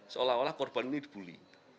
seolah olah korban ini dibully